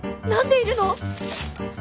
何でいるの！？